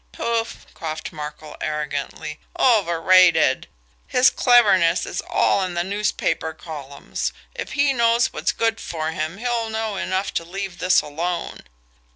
"Pouf!" coughed Markel arrogantly. "Overrated! His cleverness is all in the newspaper columns. If he knows what's good for him, he'll know enough to leave this alone."